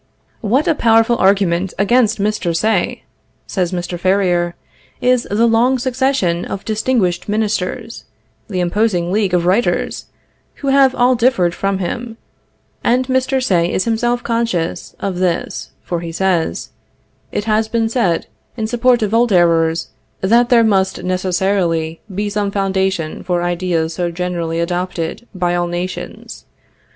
What a powerful argument against Mr. Say (says Mr. Ferrier,) is the long succession of distinguished ministers, the imposing league of writers who have all differed from him; and Mr. Say is himself conscious of this, for he says: "It has been said, in support of old errors, that there must necessarily be some foundation for ideas so generally adopted by all nations.